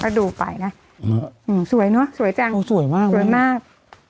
ครับดูไปนะอือสวยเนาะสวยจังโอ้ยสวยมากสวยมาก